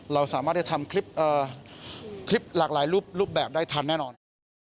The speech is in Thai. เราสามารถได้ทำคลิปหลากหลายรูปแบบได้ทันแน่นอน